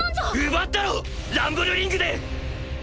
奪ったろランブルリングで！